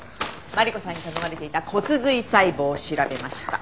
マリコさんに頼まれていた骨髄細胞調べました。